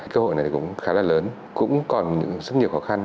cơ hội này cũng khá là lớn cũng còn rất nhiều khó khăn